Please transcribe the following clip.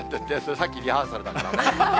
さっきリハーサルだからね。